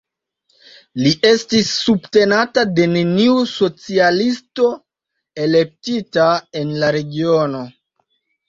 Li estis subtenata de neniu socialisto elektita en la regiono.